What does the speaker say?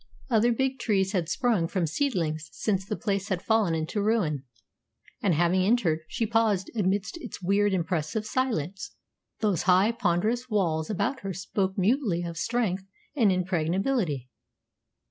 Other big trees had sprung from seedlings since the place had fallen into ruin; and, having entered, she paused amidst its weird, impressive silence. Those high, ponderous walls about her spoke mutely of strength and impregnability.